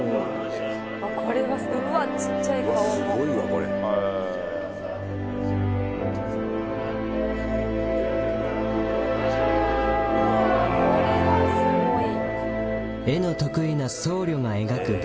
これはすごい」